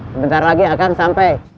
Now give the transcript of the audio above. sebentar lagi ya kang sampai